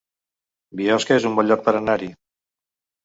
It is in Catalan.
Biosca es un bon lloc per anar-hi